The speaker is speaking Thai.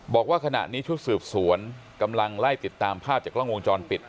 บอกว่าขณะนี้ชุดสืบสวนกำลังไล่ติดตามภาพจากกล้องวงจรปิด